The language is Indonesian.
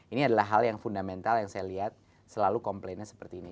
ini adalah hal yang fundamental yang saya lihat selalu komplainnya seperti ini